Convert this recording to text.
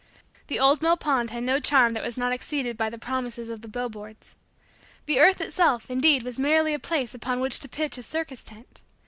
The old mill pond had no charm that was not exceeded by the promises of the billboards. The earth itself, indeed, was merely a place upon which to pitch a circus tent.